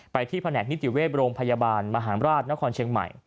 ที่แผนกนิติเวศโรงพยาบาลมหาราชนครเชียงใหม่